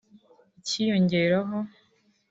ikiyongeraho